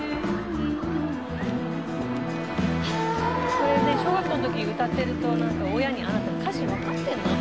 「これね小学校の時歌ってると親に“あなた歌詞わかってるの？”って」